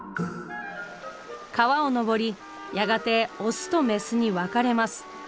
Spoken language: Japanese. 川を上りやがてオスとメスに分かれます。